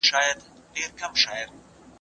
باسواده خلګ تر بې سواده خلګو ژر نه غولېږي.